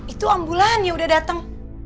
itu ambulan yang udah datang